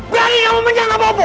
berani kamu menjangka bopo